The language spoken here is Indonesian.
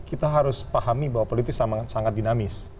kita harus pahami bahwa politik sangat dinamis